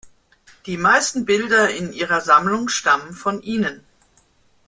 Die meisten Bilder in ihrer Sammlung stammen von ihnen.